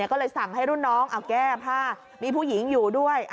ก็เลยสั่งให้รุ่นน้องเอาแก้ผ้ามีผู้หญิงอยู่ด้วย